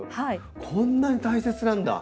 こんなに大切なんだ